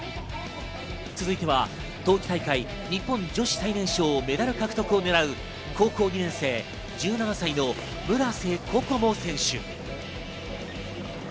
続いては冬季大会、日本女子最年少メダル獲得を狙う高校２年生、１７歳の村瀬心椛選手。